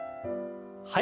はい。